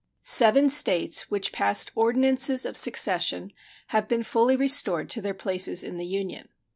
Seven States which passed ordinances of secession have been fully restored to their places in the Union.